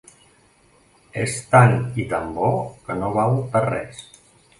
És tan i tan bo que no val per res.